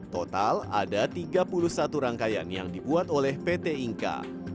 total ada tiga puluh satu rangkaian yang dibuat oleh pt inka